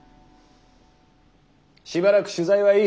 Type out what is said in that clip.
しばらく取材はいい。